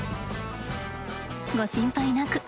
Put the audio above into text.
ご心配なく。